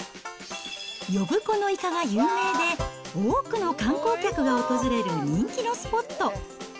呼子のイカが有名で、多くの観光客が訪れる人気のスポット。